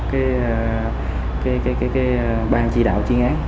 cái ban chỉ đạo chuyên án